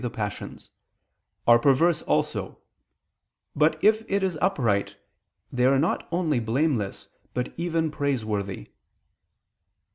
the passions, "are perverse also: but if it is upright, they are not only blameless, but even praiseworthy."